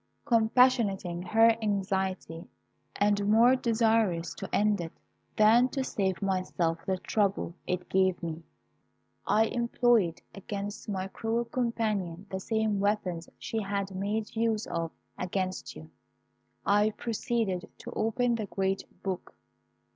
"Compassionating her anxiety, and more desirous to end it than to save myself the trouble it gave me, I employed against my cruel companion the same weapons she had made use of against you. I proceeded to open the great book.